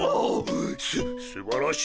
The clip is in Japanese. すすばらしい！